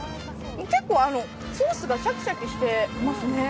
結構、ソースがシャキシャキしてますね。